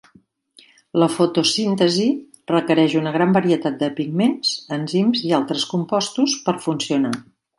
La fotosíntesi requereix una gran varietat de pigments, enzims i altres compostos per funcionar.